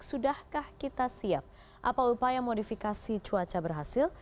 sudahkah kita siap apa upaya modifikasi cuaca berhasil